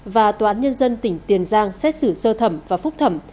và tòa án nhân dân tỉnh tiền giang xét xử sơ thẩm và phúc thẩm